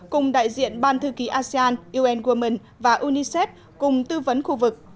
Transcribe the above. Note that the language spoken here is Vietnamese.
cùng đại diện ban thư ký asean un women và unicef cùng tư vấn khu vực